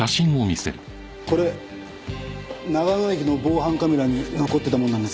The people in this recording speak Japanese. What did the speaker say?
これ長野駅の防犯カメラに残っていたものなんですがね。